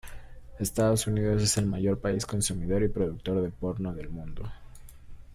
Estados Unidos es el mayor país consumidor y productor de porno del mundo.